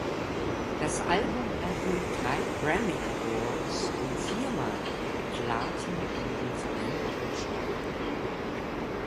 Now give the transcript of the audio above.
Das Album erhielt drei Grammy Awards und viermal Platin in den Vereinigten Staaten.